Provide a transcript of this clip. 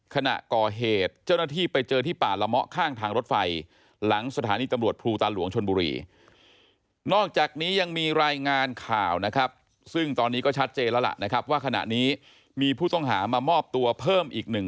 ขณะก่อเหตุเจ้าหน้าที่ไปเจอที่ป่าละมะข้างทางรถไฟ